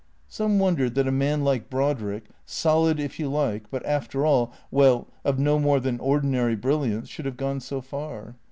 Some wondered that a man like Brodrick, solid, if you like, but after all, well, of no more than ordinary brilliance, should have gone so far.